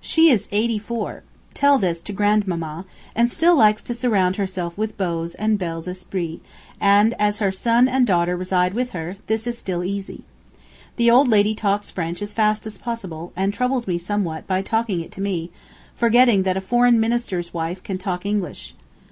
She is eighty four (tell this to Grandmamma) and likes still to surround herself with beaux and belles esprits, and as her son and daughter reside with her, this is still easy ... The old lady talks French as fast as possible, and troubles me somewhat by talking it to me, forgetting that a foreign minister's wife can talk English